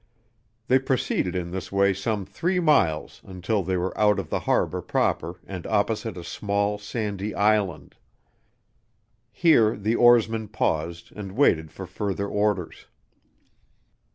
They proceeded in this way some three miles until they were out of the harbor proper and opposite a small, sandy island. Here the oarsman paused and waited for further orders.